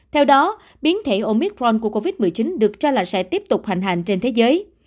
theo đó biến thể omitron của covid một mươi chín được cho là sẽ tiếp tục hành trên thế giới